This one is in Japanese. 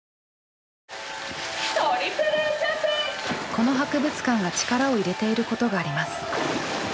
この博物館が力を入れていることがあります。